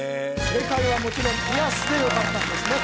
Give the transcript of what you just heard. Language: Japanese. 正解はもちろん「ピアス」でよかったんですね